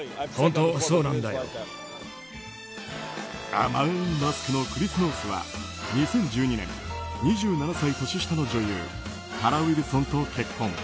甘いマスクのクリス・ノースは２０１２年２７歳年下の女優タラ・ウィルソンと結婚。